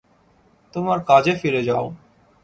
তোমার কাজে ফিরে যাও।